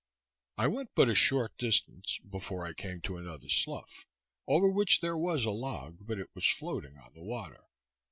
I went but a short distance before I came to another slough, over which there was a log, but it was floating on the water.